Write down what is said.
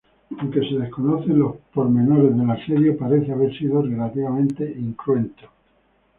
Aunque se desconocen los pormenores del asedio, parece haber sido relativamente incruento.